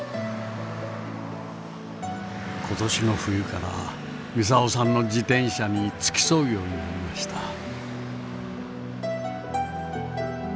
今年の冬から操さんの自転車に付き添うようになりました。